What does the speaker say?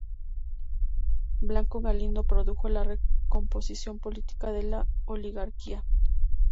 Blanco Galindo produjo la recomposición política de la oligarquía.